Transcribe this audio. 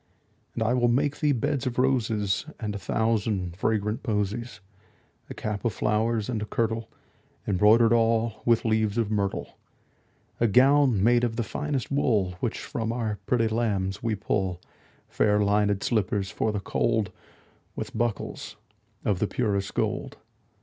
And I will make thee beds of roses And a thousand fragrant posies; 10 A cap of flowers, and a kirtle Embroider'd all with leaves of myrtle. A gown made of the finest wool Which from our pretty lambs we pull; Fair linèd slippers for the cold, 15 With buckles of the purest gold.